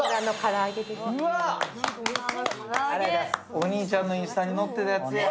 お兄ちゃんのインスタに載ってるやつや。